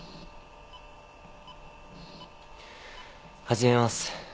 始めます。